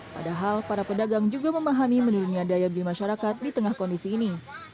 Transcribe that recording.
padahal para pedagang juga memahami menurunnya daya beli masyarakat di tengah kondisi ini